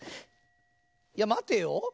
いやまてよ。